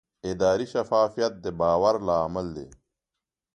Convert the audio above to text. اداري شفافیت د باور لامل دی